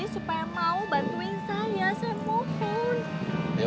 supaya mau bantuin saya